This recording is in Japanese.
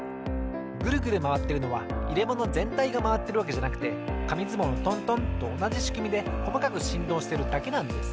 グルグルまわってるのはいれものぜんたいがまわってるわけじゃなくてかみずもうのトントンとおなじしくみでこまかくしんどうしてるだけなんです。